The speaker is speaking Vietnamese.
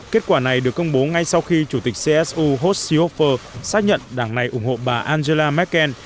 kết quả này được công bố ngay sau khi chủ tịch csu horst seehofer xác nhận đảng này ủng hộ bà angela mccain